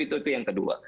itu itu yang kedua